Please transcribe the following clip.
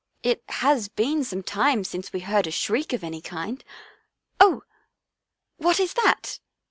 " It has been some time since we heard a shriek of any kind — oh — what is that?"